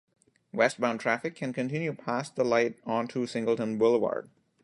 Westbound traffic can continue past the light onto Singleton Boulevard.